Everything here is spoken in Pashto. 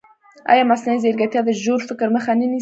ایا مصنوعي ځیرکتیا د ژور فکر مخه نه نیسي؟